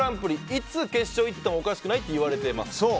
いつ決勝行ってもおかしくないっていわれてます。